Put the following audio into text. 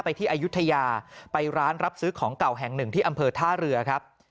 ที่อายุทยาไปร้านรับซื้อของเก่าแห่งหนึ่งที่อำเภอท่าเรือครับ